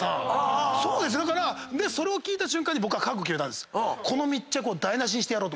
それを聞いた瞬間に僕は覚悟決めたんです。